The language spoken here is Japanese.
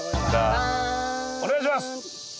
お願いします！